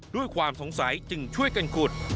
ด้วยความสงสัยจึงช่วยกันขุด